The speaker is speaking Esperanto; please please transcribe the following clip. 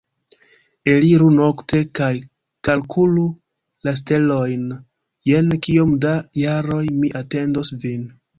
Eliru nokte kaj kalkulu la stelojn jen kiom da jaroj mi atendos vin